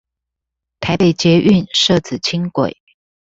台北捷運社子輕軌